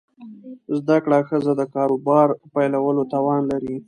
زده کړه ښځه د کاروبار پیلولو توان لري.